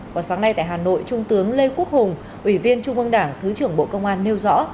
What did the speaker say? vào sáng nay tại hà nội trung tướng lê quốc hùng ủy viên trung ương đảng thứ trưởng bộ công an nêu rõ